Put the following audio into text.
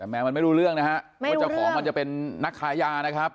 มันไม่รู้เรื่องนะฮะไม่รู้เรื่องว่าเจ้าของมันจะเป็นนักขายยานะครับ